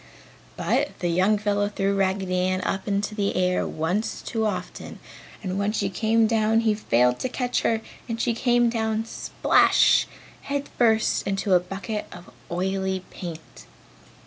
But the young fellow threw Raggedy Ann up into the air once too often and when she came down he failed to catch her and she came down splash, head first into a bucket of oily paint.